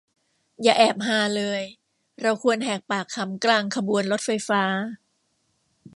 อย่าแอบฮาเลย เราควรแหกปากขำกลางขบวนรถไฟฟ้า